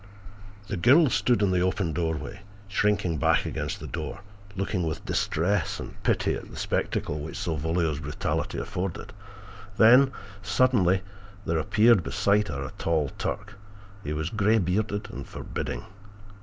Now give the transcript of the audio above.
"The girl stood in the open doorway, shrinking back against the door, looking with distress and pity at the spectacle which Salvolio's brutality afforded. Then suddenly there appeared beside her a tall Turk. He was grey bearded and forbidding.